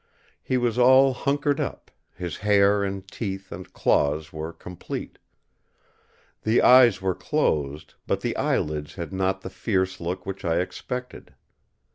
He was all hunkered up; his hair and teeth and claws were complete. The eyes were closed, but the eyelids had not the fierce look which I expected.